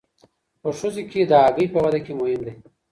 په ښځو کې د هګۍ په وده کې مهم دی.